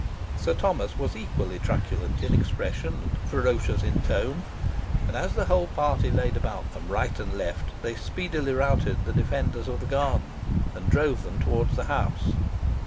Sir Thomas was equally truculent in expression and ferocious in tone, and as the whole party laid about them right and left, they speedily routed the defenders of the garden, and drove them towards the house.